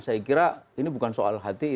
saya kira ini bukan soal hati